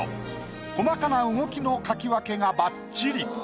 細かな動きの描き分けがばっちり。